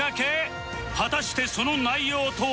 果たしてその内容とは